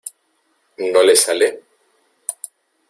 ¿ no le sale?